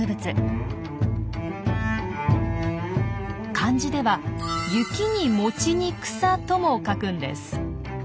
漢字では「雪」に「餅」に「草」とも書くんです。